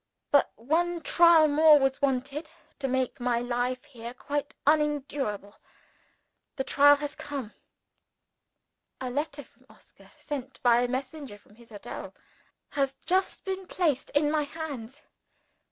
_ But one trial more was wanted to make my life here quite unendurable. The trial has come. A letter from Oscar (sent by a messenger from his hotel) has just been placed in my hands.